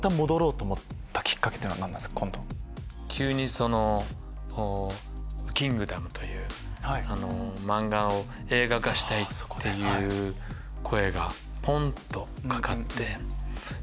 急に『キングダム』という漫画を映画化したいっていう声がぽんっとかかって。